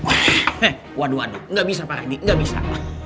heh waduh waduh gak bisa pak reni gak bisa